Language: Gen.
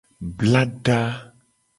Blada.